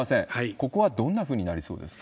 ここはどんなふうになりそうですか？